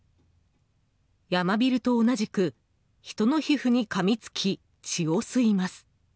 ヤマビルと同じく人の皮膚にかみつき血を吸います。